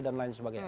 dan lain sebagainya